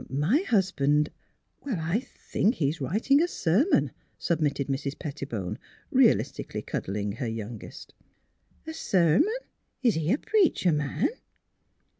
'' My husband is — I think he is writing a ser mon," submitted Mrs. Pettibone, realistically cuddling her youngest. " A sermon f Is he a preacher man?